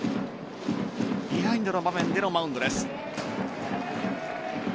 ビハインドの場面でのマウンドです。